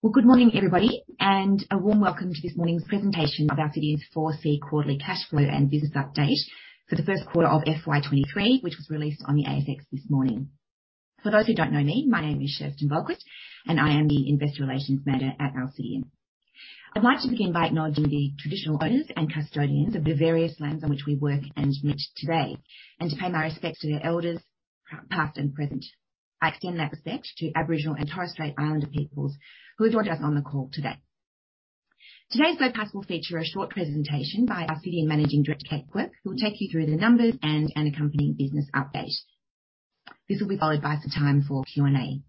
Well, good morning, everybody, and a warm welcome to this morning's presentation of Alcidion's 4C quarterly cash flow and business update for the first quarter of FY 2023, which was released on the ASX this morning. For those who don't know me, my name is Kerstin Wahlqvist, and I am the investor relations manager at Alcidion. I'd like to begin by acknowledging the traditional owners and custodians of the various lands on which we work and meet today, and to pay my respects to their elders, past and present. I extend that respect to Aboriginal and Torres Strait Islander peoples who have joined us on the call today. Today's webcast will feature a short presentation by our CEO and managing director, Kate Quirke, who will take you through the numbers and an accompanying business update. This will be followed by some time for Q&A.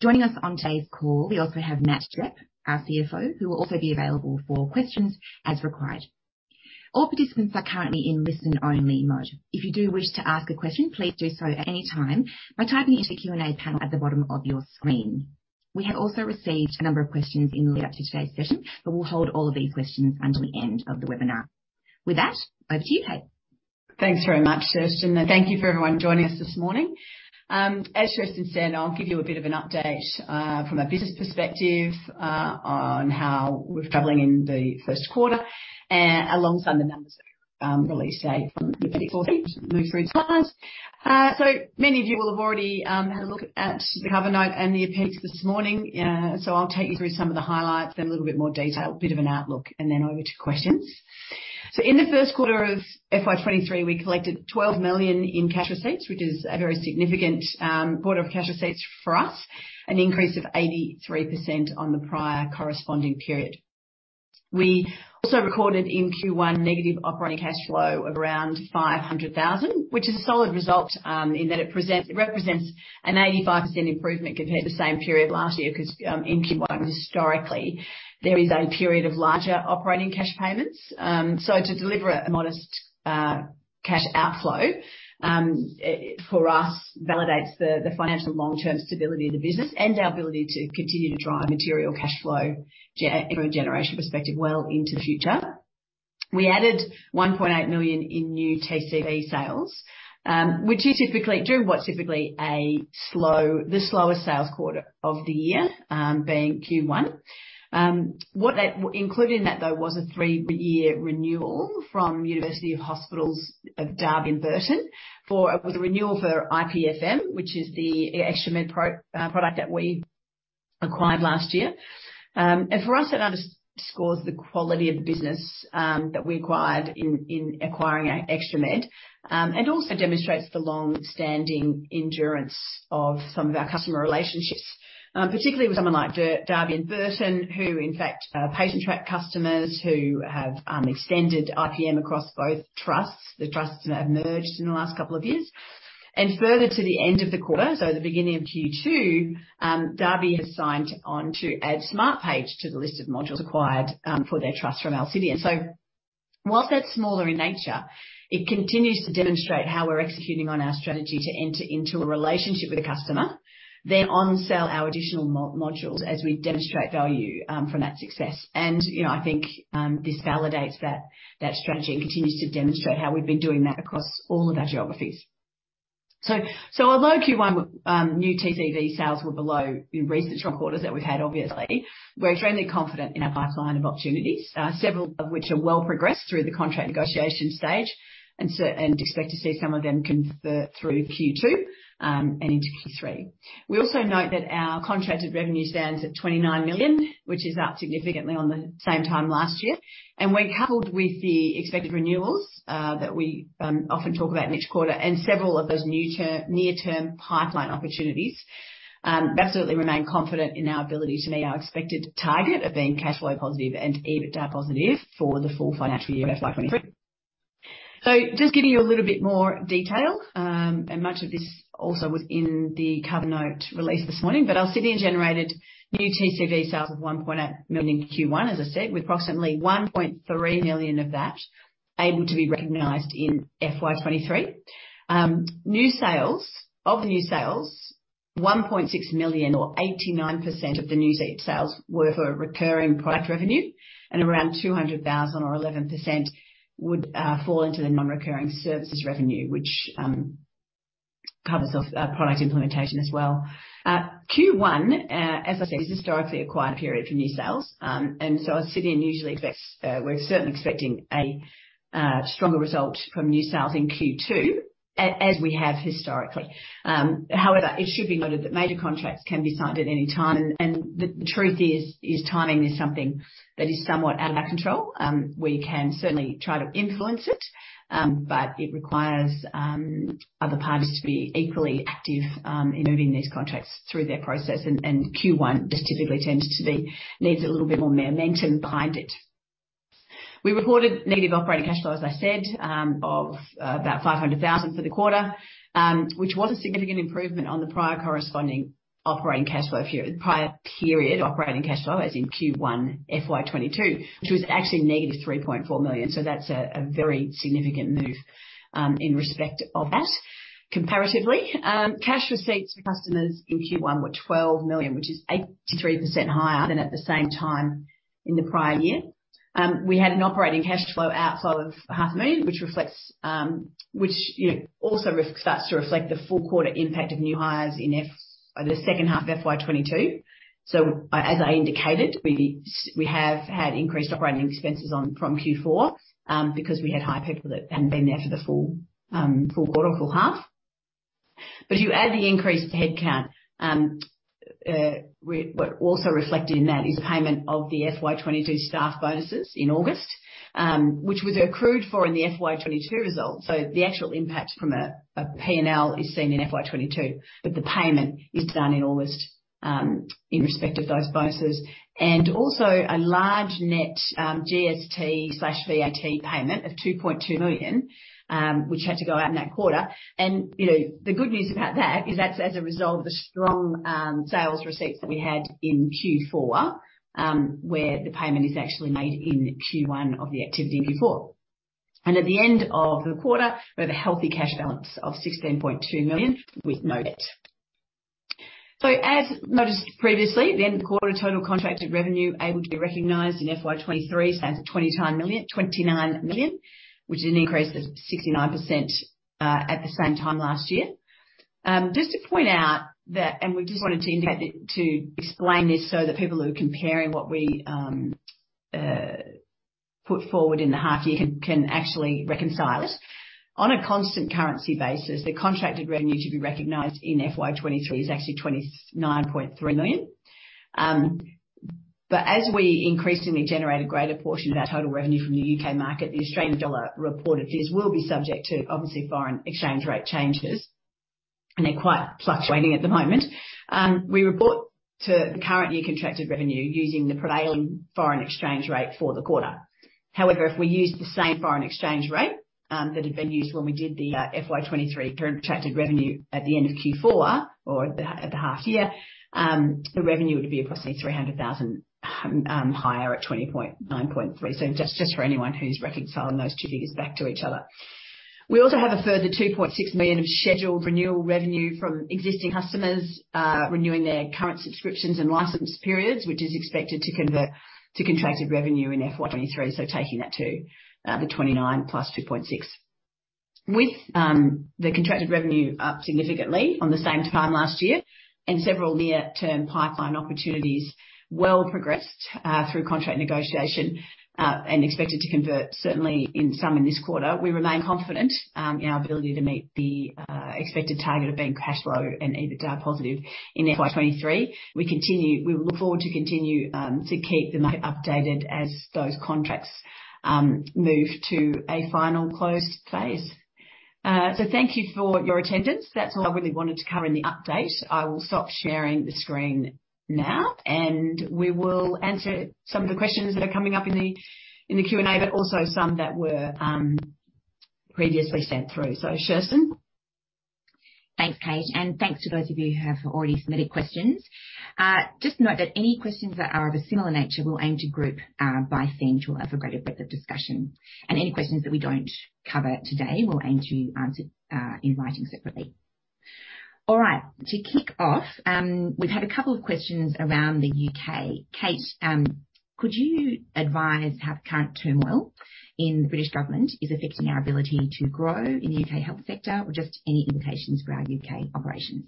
Joining us on today's call, we also have Matt Gepp, our CFO, who will also be available for questions as required. All participants are currently in listen-only mode. If you do wish to ask a question, please do so at any time by typing it into the Q&A panel at the bottom of your screen. We have also received a number of questions in the lead up to today's session, but we'll hold all of these questions until the end of the webinar. With that, over to you, Kate. Thanks very much, Kerstin. Thank you for everyone joining us this morning. As Kerstin said, I'll give you a bit of an update from a business perspective on how we're traveling in the first quarter alongside the numbers that released today from the Appendix 4C. Many of you will have already had a look at the cover note and the appendix this morning. I'll take you through some of the highlights in a little bit more detail, a bit of an outlook, and then over to questions. In the first quarter of FY 2023, we collected 12 million in cash receipts, which is a very significant quarter of cash receipts for us, an increase of 83% on the prior corresponding period. We also recorded in Q1 negative operating cash flow of around 500,000, which is a solid result in that it represents an 85% improvement compared to the same period last year 'cause in Q1 historically there is a period of larger operating cash payments. To deliver a modest cash outflow for us validates the financial long-term stability of the business and our ability to continue to drive material cash flow from a generation perspective well into the future. We added 1.8 million in new TCV sales, which is typically during what's typically the slowest sales quarter of the year being Q1. Included in that, though, was a three-year renewal from University Hospitals of Derby and Burton NHS Foundation Trust for a renewal for iPM, which is the ExtraMed product that we acquired last year. For us, it underscores the quality of the business that we acquired in acquiring ExtraMed, and also demonstrates the long-standing endurance of some of our customer relationships, particularly with Derby and Burton, who in fact are Patientrack customers who have extended iPM across both trusts. The trusts have merged in the last couple of years. Further to the end of the quarter, so the beginning of Q2, Derby has signed on to add Smartpage to the list of modules acquired for their trust from Alcidion. While that's smaller in nature, it continues to demonstrate how we're executing on our strategy to enter into a relationship with a customer, then on-sell our additional modules as we demonstrate value from that success. You know, I think this validates that strategy and continues to demonstrate how we've been doing that across all of our geographies. Although Q1 new TCV sales were below the recent quarters that we've had, obviously, we're extremely confident in our pipeline of opportunities, several of which are well progressed through the contract negotiation stage and expect to see some of them convert through Q2 and into Q3. We also note that our contracted revenue stands at 29 million, which is up significantly on the same time last year. When coupled with the expected renewals, that we often talk about in each quarter and several of those new near-term pipeline opportunities, we absolutely remain confident in our ability to meet our expected target of being cash flow positive and EBITDA positive for the full financial year of FY 2023. Just giving you a little bit more detail, and much of this also was in the cover note released this morning, but Alcidion generated new TCV sales of 1.8 million in Q1, as I said, with approximately 1.3 million of that able to be recognized in FY 2023. New sales. Of the new sales, 1.6 million or 89% of the new sales were for recurring product revenue and around 200,000 or 11% would fall into the non-recurring services revenue, which covers product implementation as well. Q1, as I said, is historically a quieter period for new sales. Alcidion usually expects we're certainly expecting a stronger result from new sales in Q2 as we have historically. However, it should be noted that major contracts can be signed at any time, and the truth is timing is something that is somewhat out of our control. We can certainly try to influence it, but it requires other parties to be equally active in moving these contracts through their process. Q1 just typically tends to be needs a little bit more momentum behind it. We recorded negative operating cash flow, as I said, of about 500,000 for the quarter, which was a significant improvement on the prior corresponding operating cash flow figure. The prior period operating cash flow, as in Q1 FY 2022, which was actually negative 3.4 million. That's a very significant move in respect of that comparatively. Cash receipts for customers in Q1 were 12 million, which is 83% higher than at the same time in the prior year. We had an operating cash flow outflow of 500,000, which reflects you know also starts to reflect the full quarter impact of new hires in the second half of FY 2022. As I indicated, we have had increased operating expenses from Q4 because we had hired people that hadn't been there for the full quarter or full half. You add the increased headcount, what also reflected in that is payment of the FY 2022 staff bonuses in August, which was accrued for in the FY 2022 results. The actual impact from a P&L is seen in FY 2022, but the payment is done in August in respect of those bonuses. Also, a large net GST/VAT payment of 2.2 million, which had to go out in that quarter. You know, the good news about that is that's as a result of the strong sales receipts that we had in Q4, where the payment is actually made in Q1 of the activity before. At the end of the quarter, we have a healthy cash balance of 16.2 million, with no debt. As noticed previously, the end of the quarter total contracted revenue able to be recognized in FY 2023 stands at 29 million, which is an increase of 69% at the same time last year. Just to point out that, and we just wanted to indicate it to explain this so that people who are comparing what we put forward in the half year can actually reconcile it. On a constant currency basis, the contracted revenue to be recognized in FY 2023 is actually 29.3 million. As we increasingly generate a greater portion of our total revenue from the U.K. Market, the Australian dollar reported figures will be subject to, obviously, foreign exchange rate changes, and they're quite fluctuating at the moment. We report the current year contracted revenue using the prevailing foreign exchange rate for the quarter. However, if we use the same foreign exchange rate that had been used when we did the FY 2023 current contracted revenue at the end of Q4 or at the half year, the revenue would be approximately 300,000 higher at 29.3 million. Just for anyone who's reconciling those two figures back to each other. We also have a further 2.6 million of scheduled renewal revenue from existing customers renewing their current subscriptions and license periods, which is expected to convert to contracted revenue in FY 2023, taking that to the 29 million + 2.6 million. With the contracted revenue up significantly on the same time last year and several near-term pipeline opportunities well progressed through contract negotiation and expected to convert, certainly some in this quarter, we remain confident in our ability to meet the expected target of being cash flow and EBITDA positive in FY 2023. We look forward to continue to keep the market updated as those contracts move to a final closed phase. Thank you for your attendance. That's all I really wanted to cover in the update. I will stop sharing the screen now, and we will answer some of the questions that are coming up in the Q&A, but also some that were previously sent through. Kerstin. Thanks, Kate. Thanks to those of you who have already submitted questions. Just note that any questions that are of a similar nature, we'll aim to group by theme to allow for a greater breadth of discussion. Any questions that we don't cover today, we'll aim to answer in writing separately. All right. To kick off, we've had a couple of questions around the U.K. Kate, could you advise how the current turmoil in the British government is affecting our ability to grow in the U.K. health sector or just any implications for our U.K. operations?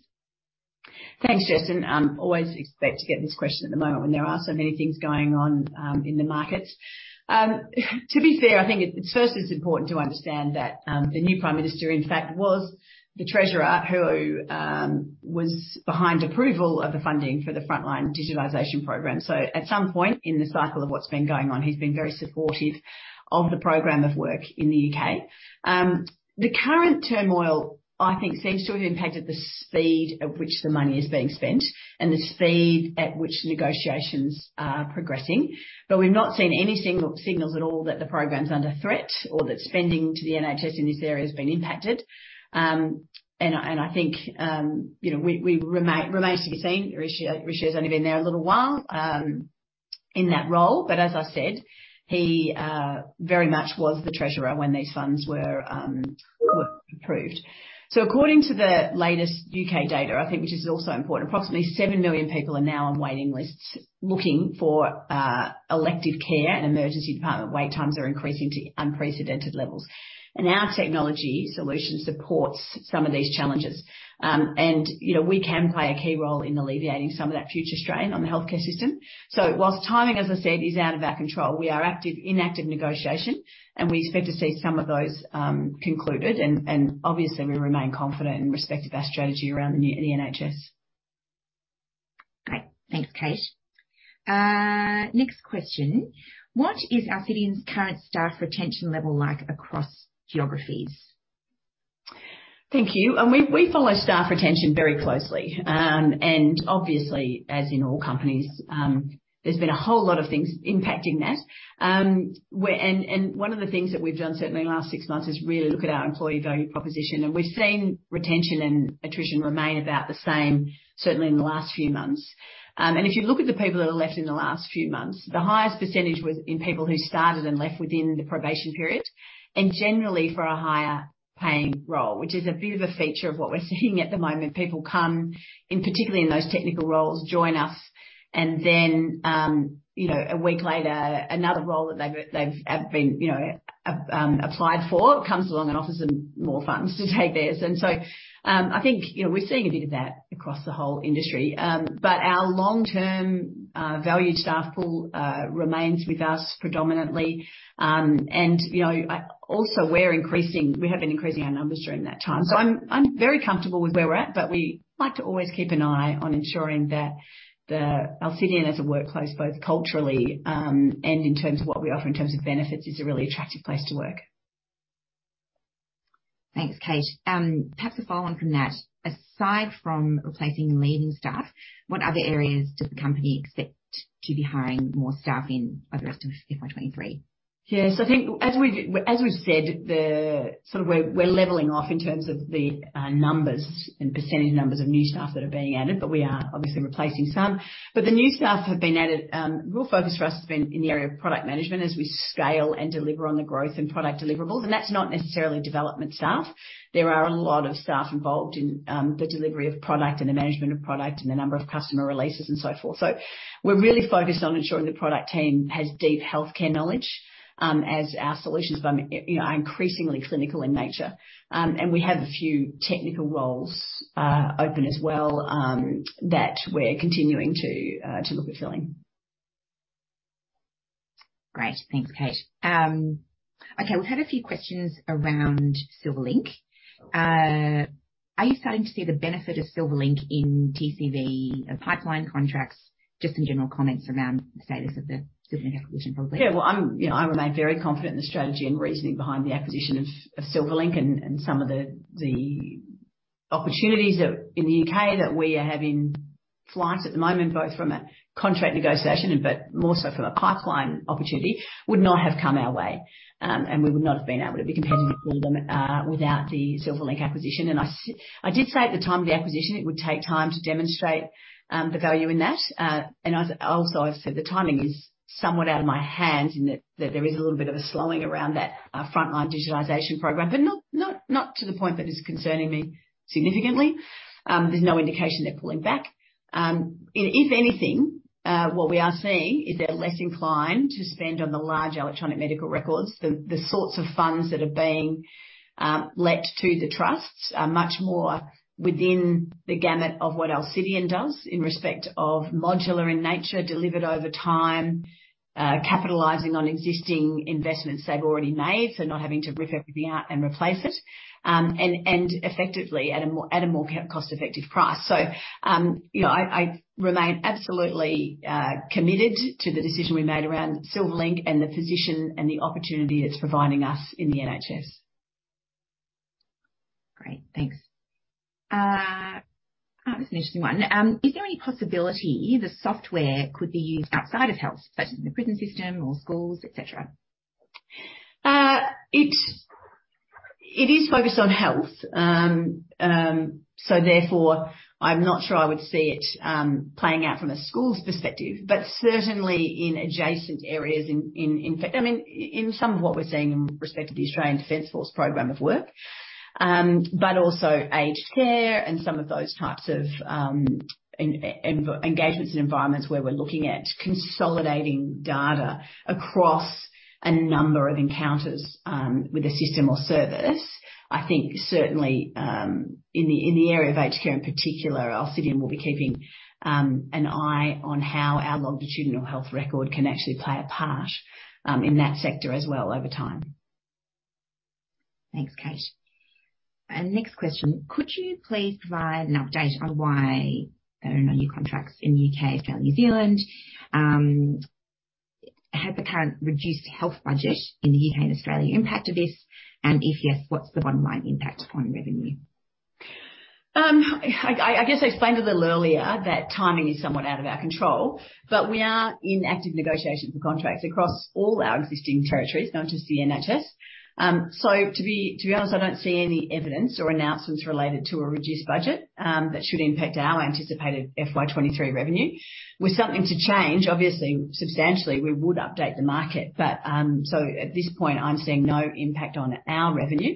Thanks, Kerstin. Always expect to get this question at the moment when there are so many things going on in the markets. To be fair, I think first it's important to understand that the new Prime Minister, in fact, was the treasurer who was behind approval of the funding for the Frontline Digitisation program. At some point in the cycle of what's been going on, he's been very supportive of the program of work in the U.K. The current turmoil, I think, seems to have impacted the speed at which the money is being spent and the speed at which negotiations are progressing. We've not seen any signals at all that the program's under threat or that spending to the NHS in this area has been impacted. I think you know remains to be seen. Rishi has only been there a little while in that role. As I said, he very much was the treasurer when these funds were approved. According to the latest U.K. data, I think, which is also important, approximately seven million people are now on waiting lists looking for elective care, and emergency department wait times are increasing to unprecedented levels. Our technology solution supports some of these challenges. You know, we can play a key role in alleviating some of that future strain on the healthcare system. Whilst timing, as I said, is out of our control, we are in active negotiation, and we expect to see some of those concluded. Obviously, we remain confident in respect of our strategy around the NHS. Great. Thanks, Kate. Next question. What is Alcidion's current staff retention level like across geographies? Thank you. We follow staff retention very closely. Obviously, as in all companies, there's been a whole lot of things impacting that. One of the things that we've done certainly in the last six months is really look at our employee value proposition, and we've seen retention and attrition remain about the same, certainly in the last few months. If you look at the people that have left in the last few months, the highest percentage was in people who started and left within the probation period. Generally for a higher-paying role, which is a bit of a feature of what we're seeing at the moment. People come in, particularly in those technical roles, join us and then, a week later, another role that they've been applied for comes along and offers them more funds to take theirs. I think we're seeing a bit of that across the whole industry. Our long-term valued staff pool remains with us predominantly. We have been increasing our numbers during that time. I'm very comfortable with where we're at, but we like to always keep an eye on ensuring that the Alcidion as a workplace, both culturally, and in terms of what we offer in terms of benefits, is a really attractive place to work. Thanks, Kate. Perhaps a follow on from that. Aside from replacing leaving staff, what other areas does the company expect to be hiring more staff in over the rest of FY 2023? Yes, I think as we've said, we're leveling off in terms of the numbers and percentage numbers of new staff that are being added, but we are obviously replacing some. The new staff have been added. Real focus for us has been in the area of product management as we scale and deliver on the growth in product deliverables, and that's not necessarily development staff. There are a lot of staff involved in the delivery of product and the management of product and the number of customer releases and so forth. We're really focused on ensuring the product team has deep healthcare knowledge as our solutions, you know, are increasingly clinical in nature. We have a few technical roles open as well that we're continuing to look at filling. Great. Thanks, Kate. Okay, we've had a few questions around Silverlink. Are you starting to see the benefit of Silverlink in TCV pipeline contracts? Just some general comments around the status of the Silverlink acquisition program. Yeah, well, I'm, you know, I remain very confident in the strategy and reasoning behind the acquisition of Silverlink and some of the opportunities in the U.K. that we have in flight at the moment, both from a contract negotiation but more so from a pipeline opportunity, would not have come our way. We would not have been able to be competitive with them without the Silverlink acquisition. I did say at the time of the acquisition, it would take time to demonstrate the value in that. Also I've said the timing is somewhat out of my hands in that there is a little bit of a slowing around that Frontline Digitisation Program, but not to the point that it's concerning me significantly. There's no indication they're pulling back. If anything, what we are seeing is they're less inclined to spend on the large electronic medical records. The sorts of funds that are being lent to the trusts are much more within the gamut of what Alcidion does in respect of modular in nature, delivered over time, capitalizing on existing investments they've already made, so not having to rip everything out and replace it, and effectively at a more cost-effective price. You know, I remain absolutely committed to the decision we made around Silverlink and the position and the opportunity it's providing us in the NHS. Great. Thanks. Oh, that's an interesting one. Is there any possibility the software could be used outside of health, such as in the prison system or schools, et cetera? It is focused on health. Therefore, I'm not sure I would see it playing out from a schools perspective, but certainly in adjacent areas. In fact, I mean, in some of what we're seeing in respect to the Australian Defence Force program of work, but also aged care and some of those types of engagements and environments where we're looking at consolidating data across a number of encounters with a system or service. I think certainly in the area of aged care in particular, Alcidion will be keeping an eye on how our longitudinal health record can actually play a part in that sector as well over time. Thanks, Kate. Next question. Could you please provide an update on why there are no new contracts in U.K., Australia, New Zealand? Has the current reduced health budget in the U.K. and Australia impacted this? If yes, what's the bottom line impact on revenue? I guess I explained a little earlier that timing is somewhat out of our control, but we are in active negotiations for contracts across all our existing territories, not just the NHS. To be honest, I don't see any evidence or announcements related to a reduced budget that should impact our anticipated FY 2023 revenue. Were something to change, obviously substantially, we would update the market. At this point, I'm seeing no impact on our revenue.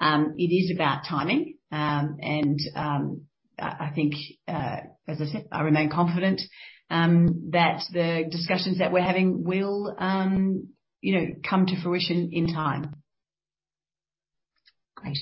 It is about timing. I think, as I said, I remain confident that the discussions that we're having will, you know, come to fruition in time. Great.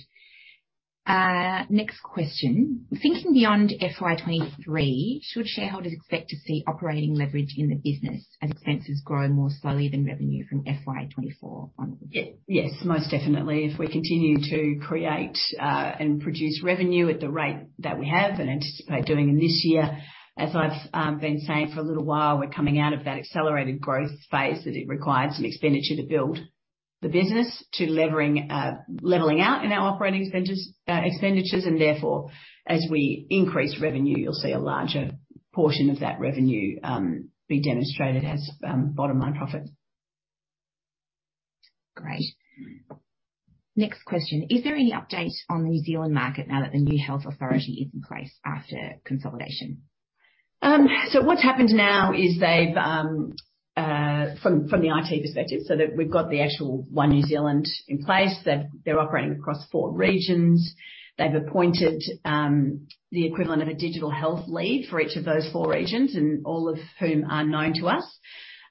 Next question. Thinking beyond FY 2023, should shareholders expect to see operating leverage in the business as expenses grow more slowly than revenue from FY 2024 onwards? Yes. Most definitely. If we continue to create and produce revenue at the rate that we have and anticipate doing in this year, as I've been saying for a little while, we're coming out of that accelerated growth phase that requires some expenditure to build the business to leveraging, leveling out in our operating expenses, expenditures. Therefore, as we increase revenue, you'll see a larger portion of that revenue be demonstrated as bottom line profit. Great. Next question. Is there any update on the New Zealand market now that the new health authority is in place after consolidation? What's happened now is from the IT perspective so that we've got the actual [Health] New Zealand in place. They're operating across four regions. They've appointed the equivalent of a digital health lead for each of those four regions, and all of whom are known to us.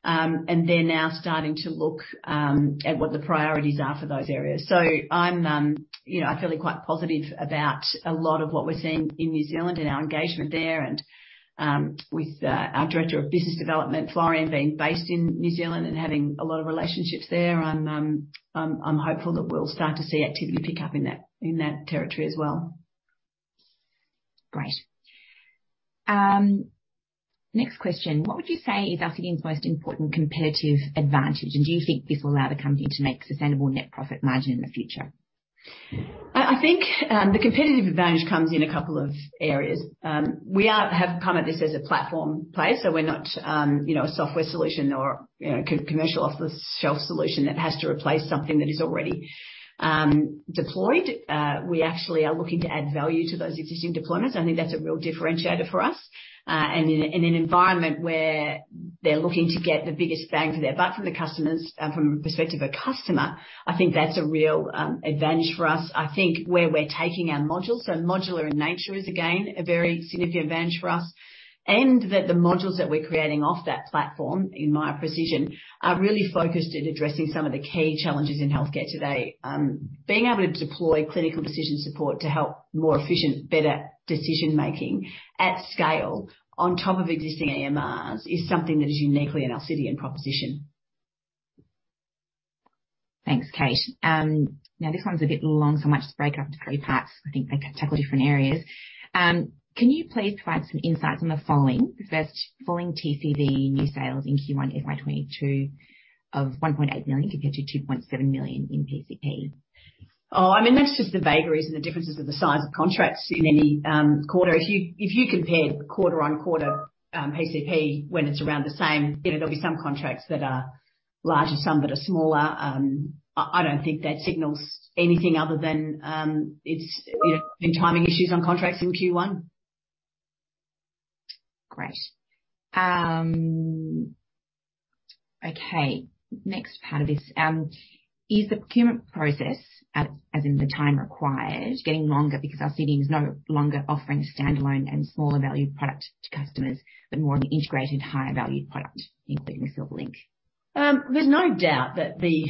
They're now starting to look at what the priorities are for those areas. I'm, you know, feeling quite positive about a lot of what we're seeing in New Zealand and our engagement there. With our Director of Business Development, Florian, being based in New Zealand and having a lot of relationships there, I'm hopeful that we'll start to see activity pick up in that territory as well. Great. Next question. What would you say is Alcidion's most important competitive advantage, and do you think this will allow the company to make sustainable net profit margin in the future? I think the competitive advantage comes in a couple of areas. We have come at this as a platform play, so we're not, you know, a software solution or, you know, commercial off-the-shelf solution that has to replace something that is already deployed. We actually are looking to add value to those existing deployments. I think that's a real differentiator for us. In an environment where they're looking to get the biggest bang for their buck from the customers, from the perspective of customer, I think that's a real advantage for us. I think where we're taking our modules, so modular in nature is again, a very significant advantage for us. The modules that we're creating off that platform, Miya Precision, are really focused in addressing some of the key challenges in healthcare today. Being able to deploy Clinical Decision Support to help more efficient, better decision-making at scale on top of existing EMRs is something that is uniquely an Alcidion proposition. Thanks, Kate. Now this one's a bit long, so I might just break it up into three parts. I think they tackle different areas. Can you please provide some insights on the following? The first, following TCV new sales in Q1 FY 2022 of 1.8 million compared to 2.7 million in PCP. I mean, that's just the vagaries and the differences of the size of contracts in any quarter. If you compared quarter-on-quarter, PCP, when it's around the same, you know, there'll be some contracts that are larger, some that are smaller. I don't think that signals anything other than it's, you know, been timing issues on contracts in Q1. Great. Okay. Next part of this. Is the procurement process, as in the time required, getting longer because Alcidion is no longer offering a standalone and smaller value product to customers, but more of an integrated, higher valued product, including the Silverlink? There's no doubt that the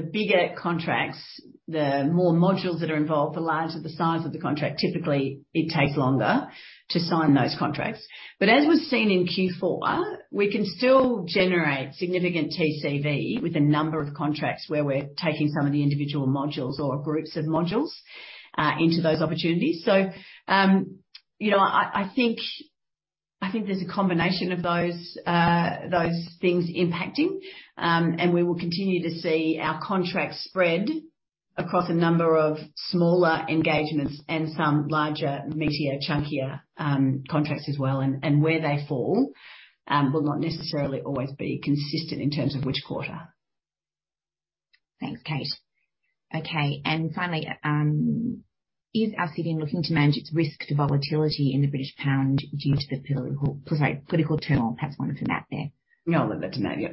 bigger contracts, the more modules that are involved, the larger the size of the contract. Typically, it takes longer to sign those contracts. But as was seen in Q4, we can still generate significant TCV with a number of contracts where we're taking some of the individual modules or groups of modules into those opportunities. You know, I think there's a combination of those things impacting. We will continue to see our contracts spread across a number of smaller engagements and some larger, meatier, chunkier contracts as well. Where they fall will not necessarily always be consistent in terms of which quarter. Thanks, Kate. Okay. Finally, is Alcidion looking to manage its risk to volatility in the British pound due to the political turmoil? I'll pass one to Matt there. No, I'll leave that to Matt, yeah.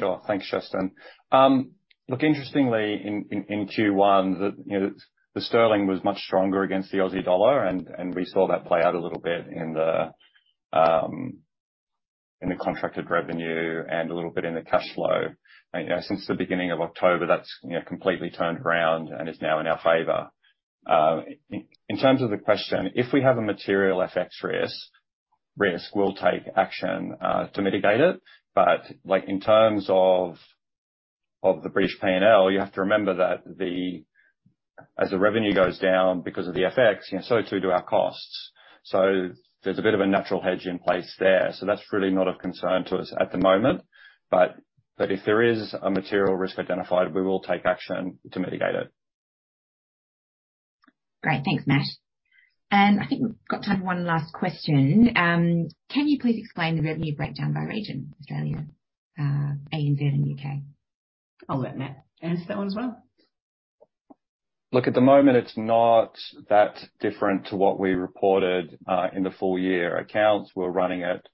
Sure. Thanks, Kerstin. Look, interestingly in Q1, you know, the sterling was much stronger against the Aussie dollar and we saw that play out a little bit in the contracted revenue and a little bit in the cash flow. You know, since the beginning of October, that's completely turned around and is now in our favor. In terms of the question, if we have a material FX risk, we'll take action to mitigate it. Like, in terms of the British P&L, you have to remember that as the revenue goes down because of the FX, you know, so too do our costs. There's a bit of a natural hedge in place there. That's really not of concern to us at the moment. If there is a material risk identified, we will take action to mitigate it. Great. Thanks, Matt. I think we've got time for one last question. Can you please explain the revenue breakdown by region, Australia, ANZ, and U.K.? I'll let Matt answer that one as well. Look, at the moment, it's not that different to what we reported in the full year accounts. We're running at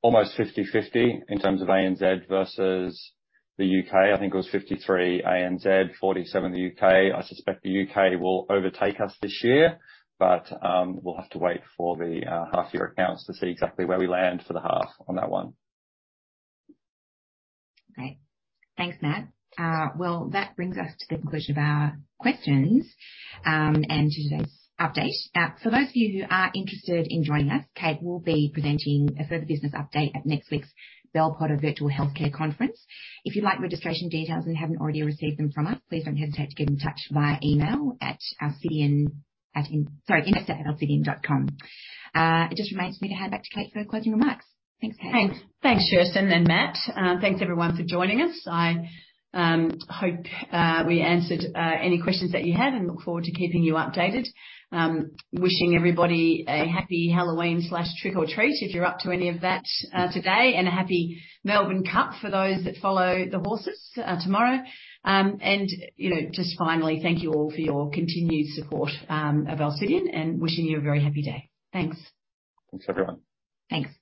almost 50/50 in terms of ANZ versus the U.K. I think it was 53% ANZ, 47% the U.K. I suspect the U.K. will overtake us this year, but we'll have to wait for the half-year accounts to see exactly where we land for the half on that one. Great. Thanks, Matt. That brings us to the conclusion of our questions and today's update. For those of you who are interested in joining us, Kate will be presenting a further business update at next week's Bell Potter Virtual Healthcare Conference. If you'd like registration details and haven't already received them from us, please don't hesitate to get in touch via email at info@alcidion.com. It just remains for me to hand back to Kate for closing remarks. Thanks, Kate. Thanks. Thanks, Kerstin and Matt. Thanks everyone for joining us. I hope we answered any questions that you had, and look forward to keeping you updated. Wishing everybody a happy Halloween, trick or treat if you're up to any of that, today, and a happy Melbourne Cup for those that follow the horses, tomorrow. You know, just finally, thank you all for your continued support of Alcidion, and wishing you a very happy day. Thanks. Thanks, everyone. Thanks.